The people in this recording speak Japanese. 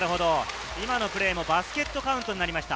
今のプレーもバスケットカウントになりました。